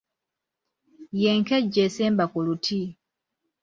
Ye nkejje esemba ku luti.